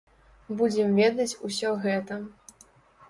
Будзем ведаць усе гэта.